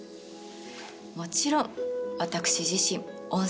もちろん私自身温泉大好き。